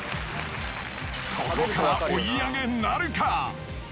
ここから追い上げなるか？